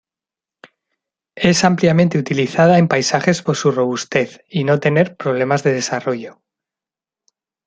Es ampliamente utilizada en paisajes por su robustez y no tener problemas de desarrollo.